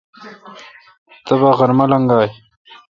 تبا غرمہ لگائہ۔